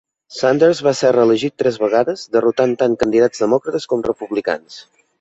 Sanders va ser reelegit tres vegades, derrotant tant candidats Demòcrates com Republicans.